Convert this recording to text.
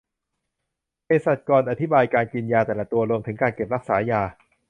เภสัชกรอธิบายการกินยาแต่ละตัว รวมถึงการเก็บรักษายา